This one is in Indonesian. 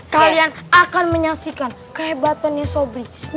kalian akan menyaksikan kehebatannya sobri